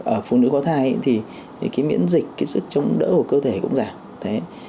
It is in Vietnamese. ở phụ nữ có thai thì miễn dịch sức chống đỡ của cơ thể cũng giảm